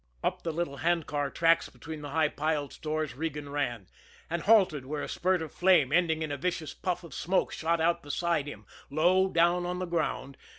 Up the little handcar tracks between the high piled stores Regan ran and halted where a spurt of flame, ending in a vicious puff of smoke, shot out beside him, low down on the ground.